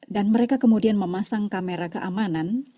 dan mereka kemudian memasang kamera keamanan